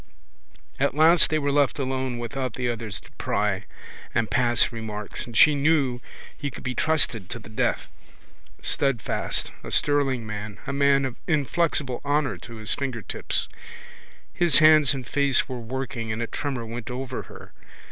At last they were left alone without the others to pry and pass remarks and she knew he could be trusted to the death, steadfast, a sterling man, a man of inflexible honour to his fingertips. His hands and face were working and a tremour went over her.